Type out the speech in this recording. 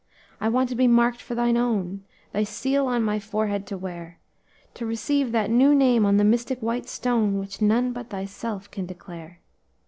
"'I want to be marked for thine own Thy seal on my forehead to wear; To receive that new name on the mystic white stone Which none but thyself can declare.